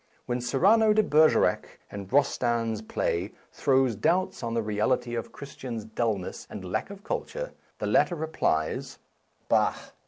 When Cyrano de Bergerac, in Rostand's play, throws doubts on the reality of Chris tian's dullness and lack of culture, the lat ter replies :" Bah